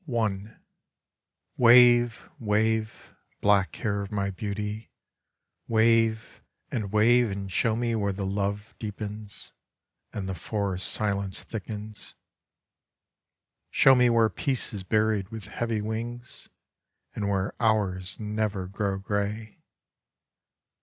I Wave, wave, black hair of my Beauty, wave, and wave, and show me where the love deepens, and the forest silence thickens ; show me where Peace is buried with heavy wings, and where hours never grow gray